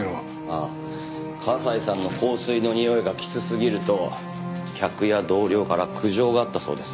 ああ笠井さんの香水のにおいがきつすぎると客や同僚から苦情があったそうです。